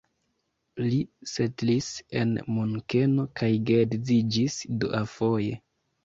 Li setlis en Munkeno kaj geedziĝis duafoje.